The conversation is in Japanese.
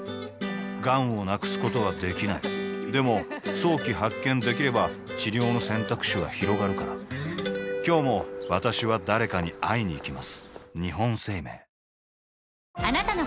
がんを無くすことはできないでも早期発見できれば治療の選択肢はひろがるから今日も私は誰かに会いにいきます